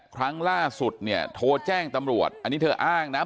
ครั้งล่าสุดเนี่ยโทรแจ้งตำรวจอันนี้เธออ้างนะ